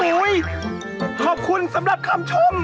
ขอบคุณสำหรับคำชม